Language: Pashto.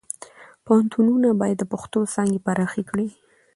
پوهنتونونه باید د پښتو څانګې پراخې کړي.